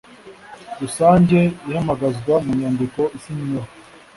Rusange ihamagazwa mu nyandiko isinyweho